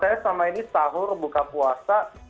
saya selama ini sahur buka puasa